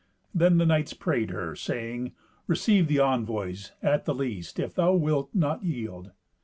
Then the knights prayed her, saying, "Receive the envoys, at the least, if thou wilt not yield."